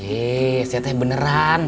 eh seteh beneran